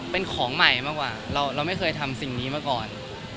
เป็นของใหม่มากกว่าเราไม่เคยทำสิ่งนี้มาก่อน